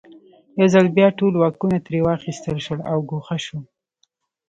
یو ځل بیا ټول واکونه ترې واخیستل شول او ګوښه شو.